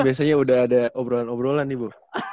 biasanya udah ada obrolan obrolan nih bu